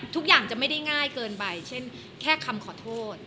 ทุกอย่างจะไม่ได้ง่ายเกินไปเช่นแค่คำขอโทษ